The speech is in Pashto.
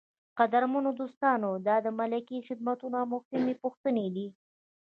قدرمنو دوستانو دا د ملکي خدمتونو مهمې پوښتنې دي.